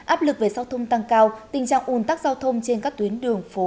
áp lực về giao thông tăng cao tình trạng ủn tắc giao thông trên các tuyến đường phố